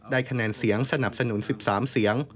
คะแนนเสียงสนับสนุน๑๓เสียง